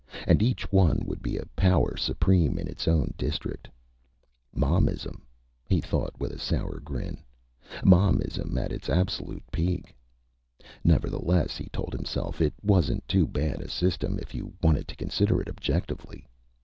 And each one would be a power supreme in its own district. Momism, he thought with a sour grin. Momism at its absolute peak. Nevertheless, he told himself, it wasn't too bad a system if you wanted to consider it objectively.